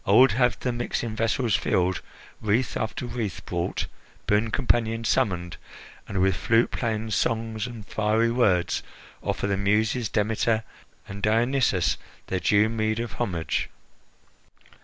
I would have the mixing vessels filled, wreath after wreath brought, boon companions summoned, and with flute playing, songs, and fiery words, offer the Muses, Demeter, and Dionysus their due meed of homage!"